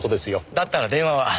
だったら電話は？